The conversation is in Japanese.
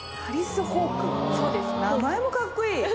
名前もかっこいい！